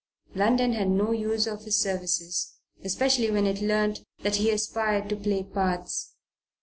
London had no use for his services, especially when it learned that he aspired to play parts.